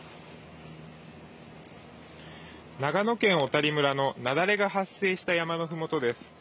長野県小谷村の雪崩が発生した山のふもとです。